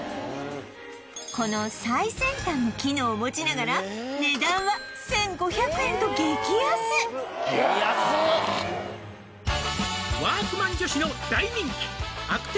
この最先端の機能を持ちながら値段は１５００円と激安「ワークマン女子の」